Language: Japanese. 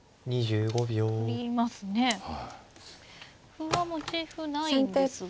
歩は持ち歩ないんですが。